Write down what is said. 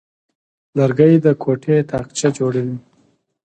لرګی د کوټې تاقچه جوړوي.